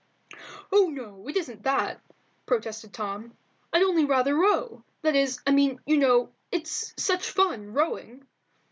"Oh no, it isn't that," protested Tom. "Only I'd rather row; that is, I mean, you know, it's such fun rowing."